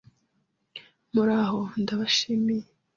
muraho, ndabashimiye. ”